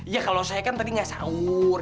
ya kalau saya kan tadi nggak sahur